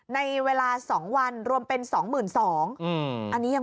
ในเวลา๒วันรวมเป็น๒๒๐๐อันนี้ยัง